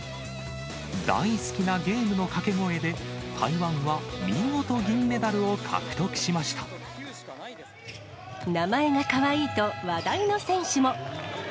大好きなゲームの掛け声で、台湾は見事、銀メダルを獲得しま名前がかわいいと話題の選手も。